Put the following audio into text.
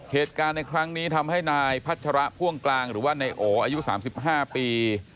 เหตุการณ์ในครั้งนี้ทำให้นายพัชระพ่วงกลางหรือว่านายโออายุ๓๕ปี